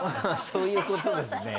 そういうことですね